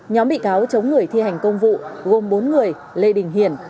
nhóm bị cáo chống người thi hành công vụ gồm bốn người lê đình hiển